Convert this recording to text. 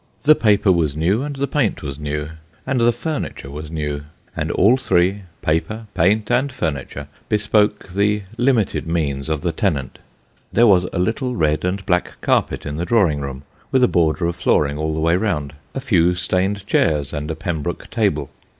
The paper was new, and the paint was new, and the furniture was new; and all three, paper, paint, and furniture, bespoke the limited means of the tenant. There was a little red and black carpet in the drawing room, with a border of flooring all the way round ; a few stained chairs and a pembroke table.